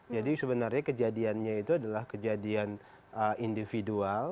jadi sebenarnya kejadiannya itu adalah kejadian individual